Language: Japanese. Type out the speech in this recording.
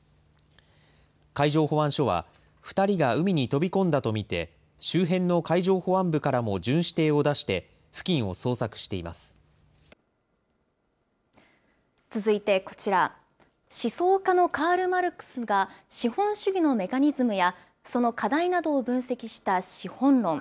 海上保安署は、２人が海に飛び込んだと見て、周辺の海上保安部からも巡視艇を出して、付近を捜索続いてこちら、思想家のカール・マルクスが、資本主義のメカニズムや、その課題などを分析した資本論。